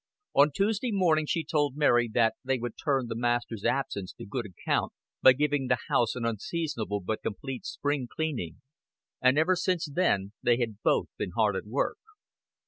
On Tuesday morning she told Mary that they would turn the master's absence to good account by giving the house an unseasonal but complete spring cleaning, and ever since then they had both been hard at work.